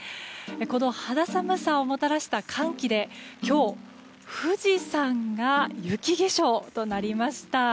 この肌寒さをもたらした寒気で今日、富士山が雪化粧となりました。